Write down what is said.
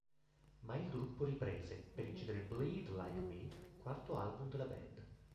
Ma il gruppo riprese, per incidere "Bleed Like Me", quarto album della band.